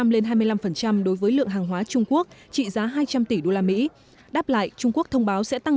lên hai mươi năm đối với lượng hàng hóa trung quốc trị giá hai trăm linh tỷ usd đáp lại trung quốc thông báo sẽ tăng